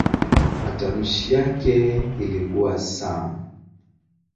Matamshi yake ilikuwa "s".